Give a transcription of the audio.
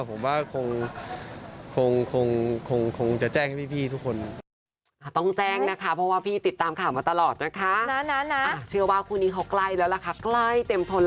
ผมว่าคงจะแจ้งให้พี่ทุกคน